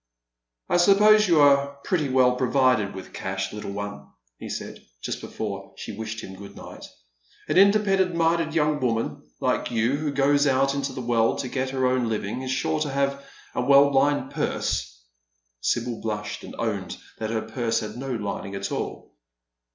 " I suppose you are pretty well provided with cash, little one," he said, just before she wished him good night, " an independent minded young woman Uke you who goes out into the world to get her own Hving is sure to have a well lined purse." Sibjd blushed, and owned that her purse had no lining at all.